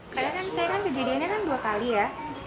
karena kan saya kejadiannya kan dua kali ya